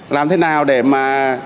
làm thế nào để mà